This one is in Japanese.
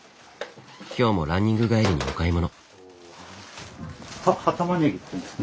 今日もランニング帰りにお買い物。